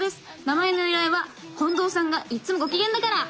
名前の由来は「近藤さんがいっつもゴキゲンだから」！